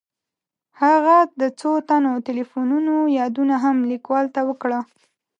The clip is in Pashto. هغه د څو تنو تیلیفونونو یادونه هم لیکوال ته وکړه.